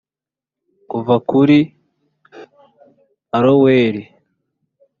Kuva kuri Aroweri